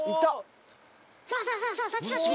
そうそうそうそうそっちそっち！